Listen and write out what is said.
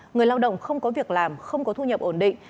người lao động không có việc làm không có thu nhập ổn định